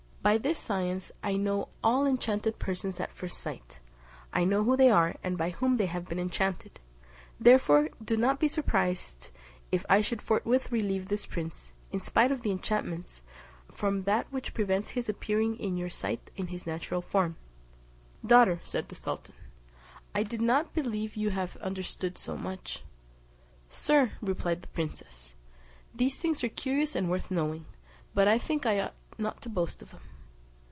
By this science I know all enchanted persons at first sight: I know who they are, and by whom they have been enchanted; therefore do not be surprised if I should forthwith relieve this prince, in spite of the enchantments, from that which prevents his appearing in your sight in his natural form." "Daughter," said the sultan, "I did not believe you to have understood so much." "Sir," replied the princess, "these things are curious and worth knowing; but I think I ought not to boast of them."